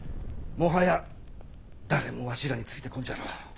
もはや誰もわしらについてこんじゃろう。